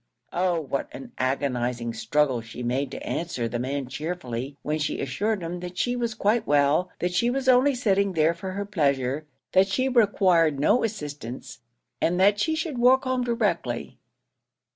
Oh, what an agonising struggle she made to answer the man cheerfully, when she assured him that she was quite well that she was only sitting there for her pleasure that she required no assistance, and that she should walk home directly.